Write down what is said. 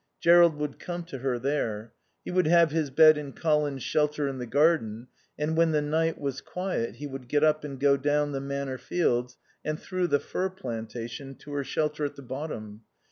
Jerrold would come to her there. He would have his bed in Colin's shelter in the garden, and when the night was quiet he would get up and go down the Manor fields and through the fir plantation to her shelter at the bottom.